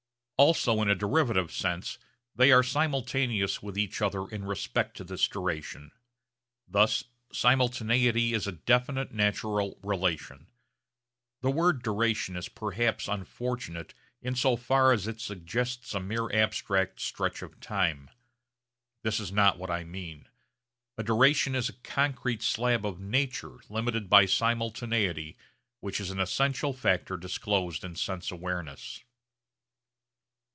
Also in a derivative sense they are simultaneous with each other in respect to this duration. Thus simultaneity is a definite natural relation. The word 'duration' is perhaps unfortunate in so far as it suggests a mere abstract stretch of time. This is not what I mean. A duration is a concrete slab of nature limited by simultaneity which is an essential factor disclosed in sense awareness.